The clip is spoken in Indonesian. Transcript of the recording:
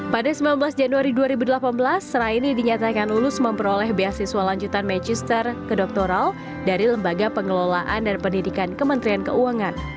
pada sembilan belas januari dua ribu delapan belas raini dinyatakan lulus memperoleh beasiswa lanjutan magister ke doktoral dari lembaga pengelolaan dan pendidikan kementerian keuangan